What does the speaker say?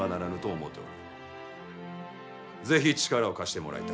ぜひ力を貸してもらいたい。